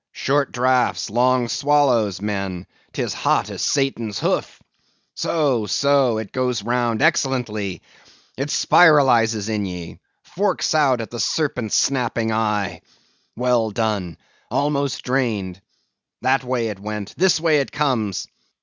Short draughts—long swallows, men; 'tis hot as Satan's hoof. So, so; it goes round excellently. It spiralizes in ye; forks out at the serpent snapping eye. Well done; almost drained. That way it went, this way it comes.